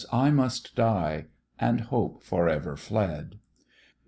I must die;" and hope for ever fled.